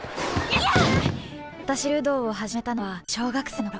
私が柔道を始めたのは小学生の頃。